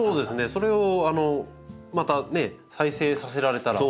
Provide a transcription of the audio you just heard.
それをまたね再生させられたら。